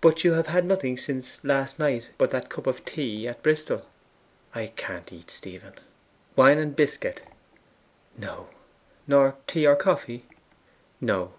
'But you have had nothing since last night but that cup of tea at Bristol.' 'I can't eat, Stephen.' 'Wine and biscuit?' 'No.' 'Nor tea, nor coffee?' 'No.